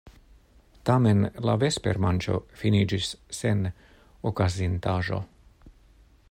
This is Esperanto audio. Tamen la vespermanĝo finiĝis sen okazintaĵo.